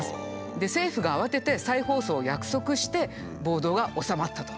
で政府が慌てて再放送を約束して暴動が収まったと。